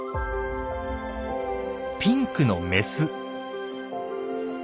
ピンクのメス。